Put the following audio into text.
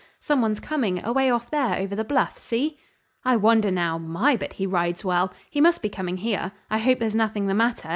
"Some one's coming, away off there over the bluff; see?" "I wonder, now! My, but he rides well. He must be coming here. I hope there's nothing the matter.